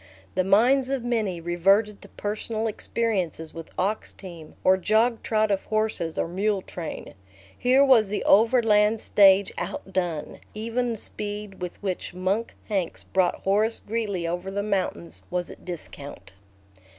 The minds of many reverted to personal experiences with ox team, or jogtrot of horses or mule train. Here was the Overland Stage outdone; even the speed with which Monk Hanks brought Horace Greeley over the mountains was at discount.